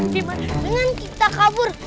bendingan kita kabur